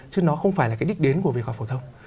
chứ nó không phải là cái đích đến của việc học phổ thông